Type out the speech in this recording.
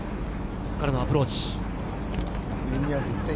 ここからのアプローチ。